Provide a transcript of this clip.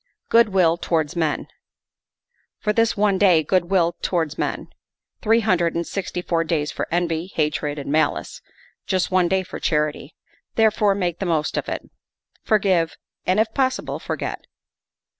" Good will towards men." For this one day good will towards men. Three hundred and sixty four days for envy, hatred, and malice ; just one for charity. Therefore make the most of it; forgive, and, if possible, forget.